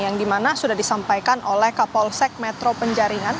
yang dimana sudah disampaikan oleh kapolsek metro penjaringan